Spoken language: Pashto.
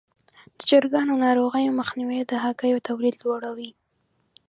د چرګانو ناروغیو مخنیوی د هګیو تولید لوړوي.